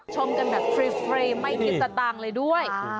ชมกันแบบฟรีเฟรมไม่มีตัดต่างเลยด้วย